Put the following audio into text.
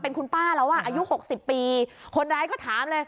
เป็นคุณป้าแล้วอ่ะอายุหกสิบปีคนร้ายก็ถามเลย